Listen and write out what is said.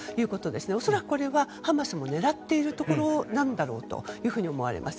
恐らくこれはハマスも狙っているところなんだと思われます。